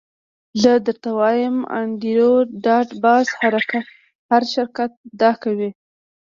زه درته وایم انډریو ډاټ باس هر شرکت دا کوي